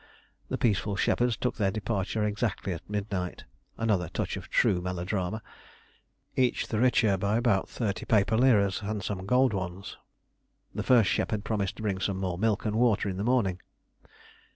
The peaceful shepherds took their departure exactly at midnight another touch of true melodrama each the richer by about thirty paper liras and some gold ones. The first shepherd promised to bring some more milk and water in the morning.